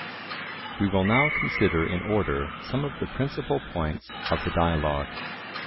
We will now consider in order some of the principal points of the dialogue.